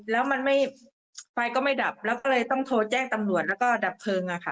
แล้วไม่ดับแล้วเลยต้องโทรแจ้งตำรวชแล้วก็ดับเพลิง